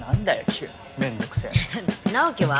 急にめんどくせぇ直己は？